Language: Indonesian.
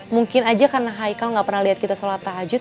mungkin aja karena haikal gak pernah lihat kita sholat tahajud